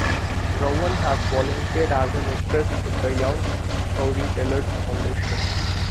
Rowan has volunteered as an actress with the Young Storytellers Foundation.